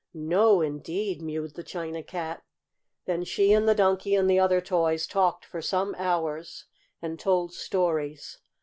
"No, indeed!" mewed the China Cat. Then she and the Donkey and the other toys talked for some hours, and told stories.